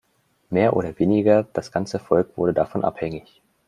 Mehr oder weniger das ganze Volk wurde davon abhängig.